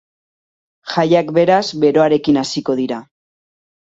Jaiak, beraz, beroarekin hasiko dira.